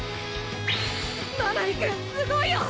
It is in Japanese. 真波くんすごいよ！！